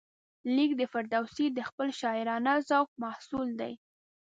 لیک د فردوسي د خپل شاعرانه ذوق محصول دی.